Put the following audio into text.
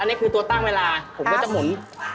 อันนี้คือตัวตั้งเวลาผมก็จะหมุน